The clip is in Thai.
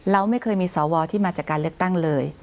เราไม่เคยมีสวที่มาจากการเลือกตั้งเลย